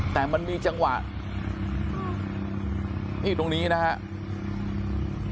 แต่มันมีจังหวะนี่ตรงนี้นะครับ